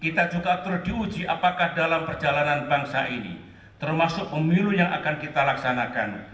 kita juga terus diuji apakah dalam perjalanan bangsa ini termasuk pemilu yang akan kita laksanakan